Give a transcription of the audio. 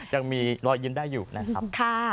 ยังมีรอยยิ้มได้อยู่นะครับ